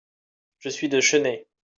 Je suis de Chennai.